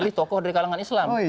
alih tokoh dari kalangan islam